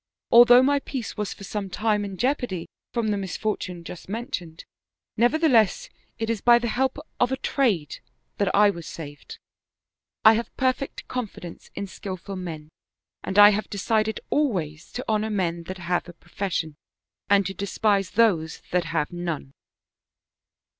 Although my peace was for some time in jeopardy from the misfortune just men tioned, nevertheless it is by the help of a trade that I was saved. I have perfect confidence in skillful men and I have decided always to honor men that have a pro fession, and to despise those that have none."